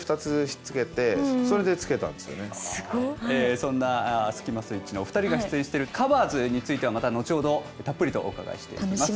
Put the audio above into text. そんなスキマスイッチのお二人が出演してる「ｔｈｅＣｏｖｅｒｓ」についてはまた後ほどたっぷりとお伺いしていきます。